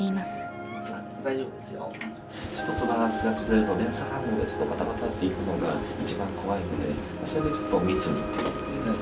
一つバランスが崩れると連鎖反応でバタバタッていくのが一番怖いのでそれでちょっと密に。